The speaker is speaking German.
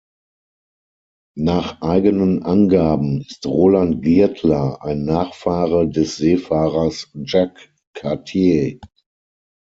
Nach eigenen Angaben ist Roland Girtler ein Nachfahre des Seefahrers Jacques Cartier.